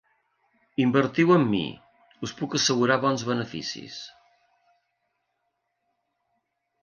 Invertiu amb mi; us puc assegurar bons beneficis.